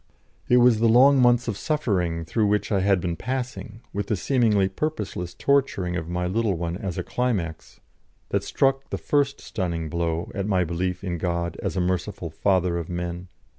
It was the long months of suffering through which I had been passing, with the seemingly purposeless torturing of my little one as a climax, that struck the first stunning blow at my belief in God as a merciful Father of men.